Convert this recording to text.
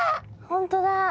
本当だ。